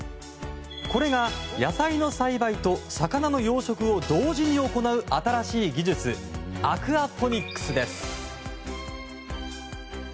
これが野菜の栽培と魚の養殖を同時に行う新しい技術アクアポニックスです。